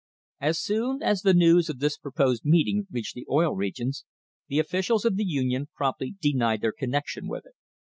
As soon as the news of this proposed meeting reached the Oil Regions, the officials of the Union promptly denied their connection with it.